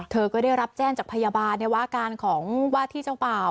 เธอก็ได้รับแจ้งจากพยาบาลว่าอาการของว่าที่เจ้าบ่าว